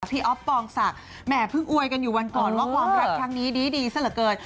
อ๊อฟปองศักดิ์แหมเพิ่งอวยกันอยู่วันก่อนว่าความรักครั้งนี้ดีซะเหลือเกิน